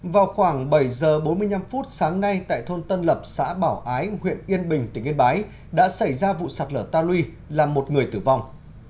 vào khoảng bảy h bốn mươi năm sáng nay tại thôn tân lập xã bảo ái huyện yên bình tỉnh yên bái đã xảy ra vụ sạt lở ta lui làm một người tử vong